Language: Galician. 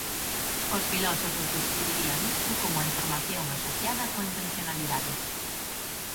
Os filósofos describirían isto como a información asociada coa intencionalidade.